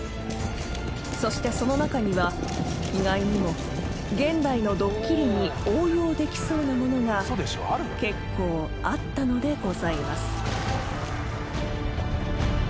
［そしてその中には意外にも現代のドッキリに応用できそうなものが結構あったのでございます］